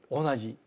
同じ。